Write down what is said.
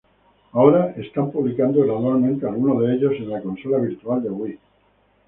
Ahora están publicando gradualmente algunos de ellos en la Consola Virtual de Wii.